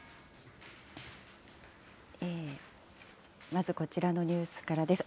まずこちらのニュースからです。